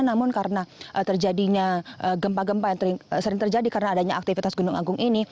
namun karena terjadinya gempa gempa yang sering terjadi karena adanya aktivitas gunung agung ini